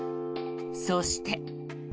そして。